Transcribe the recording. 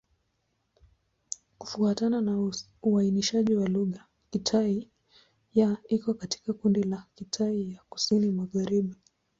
Kufuatana na uainishaji wa lugha, Kitai-Ya iko katika kundi la Kitai ya Kusini-Magharibi.